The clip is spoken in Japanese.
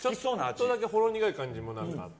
ちょっとだけほろ苦い感じもあって。